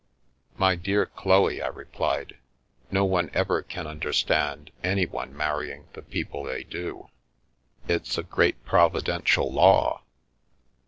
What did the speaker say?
" My dear Chloe," I replied, " no one ever can under stand anyone marrying the people they do. It's a great providential law.